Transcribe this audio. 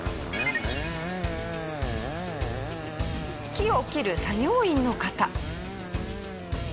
木を切る作業員の方。